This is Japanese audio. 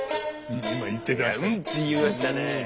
「ん！」って言いましたね。